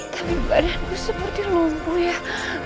tapi badan gue seperti lumpuh ayah